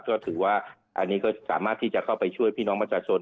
ก็ถือว่าอันนี้ก็สามารถที่จะเข้าไปช่วยพี่น้องประชาชน